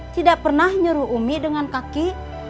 tidak pernah nyuruh umi dengan kaki